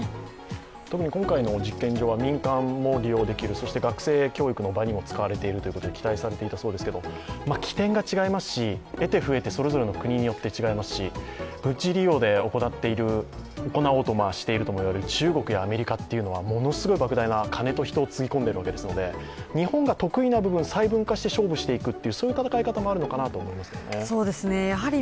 特に今回の実験場は民間も利用できる、そして学生教育の場にも使われているということで期待されていたそうですけど、基点が違いますし、得手不得手それぞれの国によって違いますし、軍事利用で行おうとしていると言われている中国やアメリカというのはものすごい莫大な金と人をつぎ込んでいるわけですので、日本が得意な部分細分化して勝負していくそういう戦い方もあるのかなと思いますね。